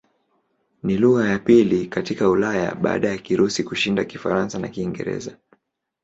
Ni lugha ya pili katika Ulaya baada ya Kirusi kushinda Kifaransa na Kiingereza.